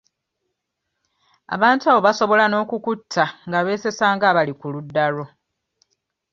Abantu abo basobola n'okukutta nga beesesa nga abali ku ludda lwo.